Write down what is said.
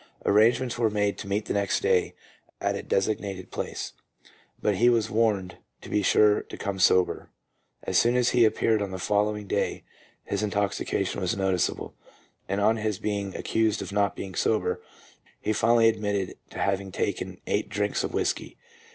Arrangements were made to meet next day at a designated place, but he was warned to be sure to come sober. As soon as he appeared on the following day his intoxication was noticeable, and on his being accused of not being sober, he finally admitted having taken eight drinks of whisky.